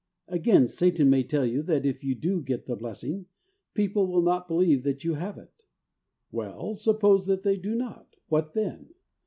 Again, Satan may tell you that if you do get the blessing, people will not believe that you have it. Well, suppose that they do not, what then